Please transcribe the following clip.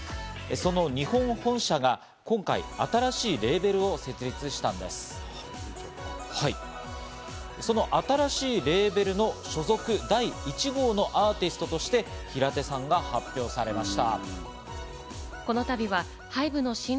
その新しいレベルの所属第１号のアーティストとして、平手さんが発表されました。